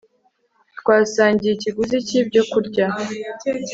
twasangiye ikiguzi cyibyo kurya